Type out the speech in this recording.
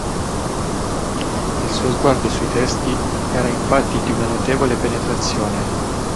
Il suo sguardo sui testi era infatti di una notevole penetrazione.